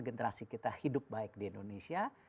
generasi kita hidup baik di indonesia